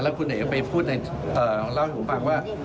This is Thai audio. แล้วคุณเอกไปพูดในต่อของเราอยู่หูปากว่า